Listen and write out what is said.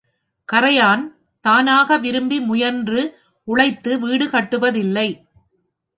கறையான் தானாக விரும்பி முயன்று உழைத்து வீடு கட்டுவதில்லை.